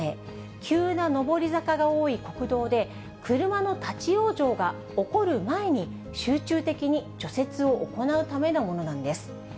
急な上り坂が多い国道で、車の立往生が起こる前に、集中的に除雪を行うためのものなんです。